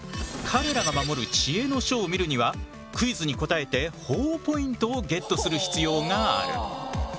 彼らが守る知恵の書を見るにはクイズに答えてほぉポイントをゲットする必要がある。